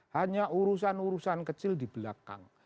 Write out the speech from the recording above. hanya urusan urusan kecil di belakang